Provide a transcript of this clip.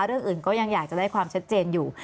เรื่องอื่นก็ยังอยากจะได้ความชัดเจนอยู่